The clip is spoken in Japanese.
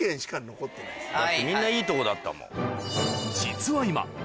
だってみんないいとこだったもん。